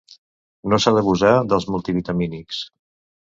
No s'ha d'abusar dels multivitamínics.